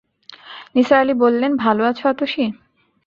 নিসার আলি বললেন, ভালো আছ অতসী?